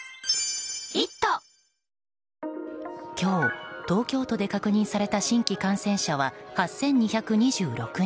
今日、東京都で確認された新規感染者は８２２６人。